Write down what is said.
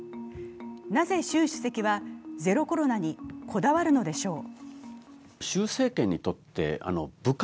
なぜ習主席はゼロコロナにこだわるのでしょう。